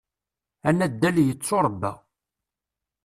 Anaddal yetturebba.